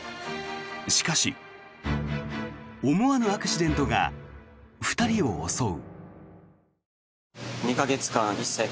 しかし、思わぬアクシデントが２人を襲う。